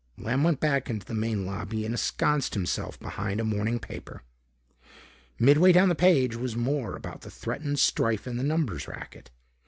Lamb went back into the main lobby and ensconced himself behind a morning paper. Midway down the page was more about the threatened strife in the numbers racket.